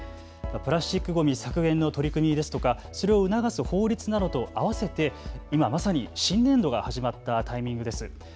プラスチックごみ削減の取り組みですとかそれを促す法律などとあわせて今まさに新年度が始まったタイミングです。